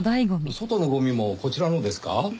外のゴミもこちらのですか？